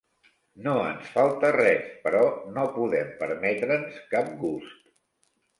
No ens falta res, però no podem permetre'ns cap gust.